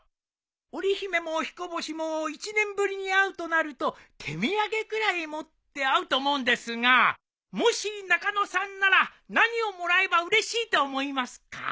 織り姫もひこ星も１年ぶりに会うとなると手土産くらい持って会うと思うんですがもし中野さんなら何をもらえばうれしいと思いますか？